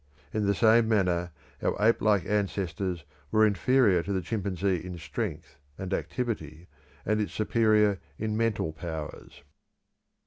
In the same manner our ape like ancestors were inferior to the chimpanzee in strength and activity, and its superior in mental powers.